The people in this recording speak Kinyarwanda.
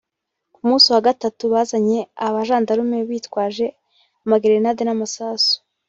ku munsi wa gatatu bazanye abajandarume bitwaje amagerenade n’amasasu